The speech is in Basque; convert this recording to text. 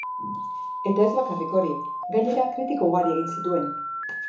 Eta ez bakarrik hori, gainera kritika ugari egin zituen.